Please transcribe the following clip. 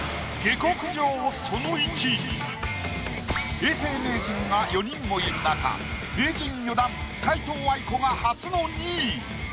永世名人が４人もいる中名人４段皆藤愛子が初の２位。